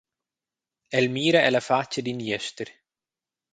El mira ella fatscha d’in jester.